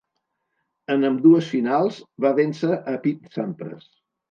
En ambdues finals, va vèncer a Pete Sampras.